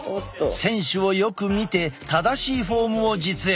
選手をよく見て正しいフォームを実演。